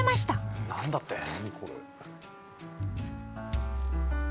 何だって？